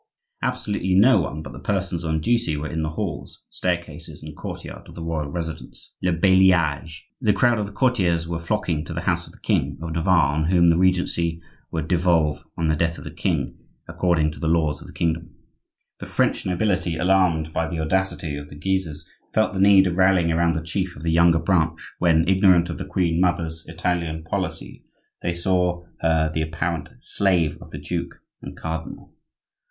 Absolutely no one but the persons on duty were in the halls, staircases, and courtyard of the royal residence, Le Bailliage. The crowd of courtiers were flocking to the house of the king of Navarre, on whom the regency would devolve on the death of the king, according to the laws of the kingdom. The French nobility, alarmed by the audacity of the Guises, felt the need of rallying around the chief of the younger branch, when, ignorant of the queen mother's Italian policy, they saw her the apparent slave of the duke and cardinal.